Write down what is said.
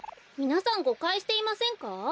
みなさんごかいしていませんか？